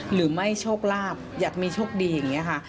หรือไม่โชคลาดอยากมีโชคดีอย่างนี้ค่ะ